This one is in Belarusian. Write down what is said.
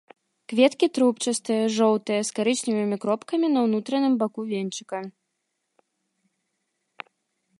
Кветкі трубчастыя, жоўтыя, з карычневымі кропкамі на ўнутраным баку венчыка.